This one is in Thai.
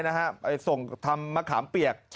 ไปส่งทำมะขามเปียก